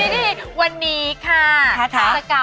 นี่วันนี้ค่ะ